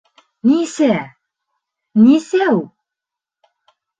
Нисә? Нисәү?